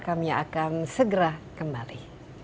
kami akan segera kembali